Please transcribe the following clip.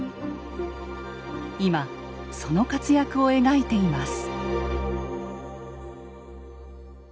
今その活躍を描いています。